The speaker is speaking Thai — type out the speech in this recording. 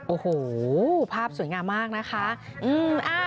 โอ้โหภาพสวยงามมากนะคะ